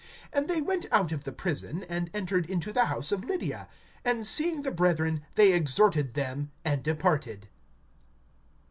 (40)And they went out of the prison, and entered into the house of Lydia; and seeing the brethren they exhorted them, and departed.